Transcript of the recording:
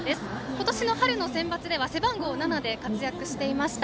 今年の春のセンバツでは背番号７で活躍していました。